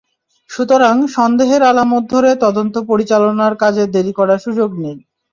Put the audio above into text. সুতরাং, সন্দেহের আলামত ধরে তদন্ত পরিচালনার কাজে দেরি করার সুযোগ নেই।